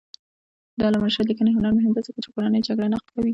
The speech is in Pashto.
د علامه رشاد لیکنی هنر مهم دی ځکه چې کورنۍ جګړې نقد کوي.